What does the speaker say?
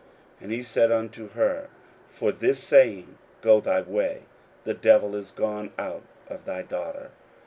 41:007:029 And he said unto her, For this saying go thy way; the devil is gone out of thy daughter.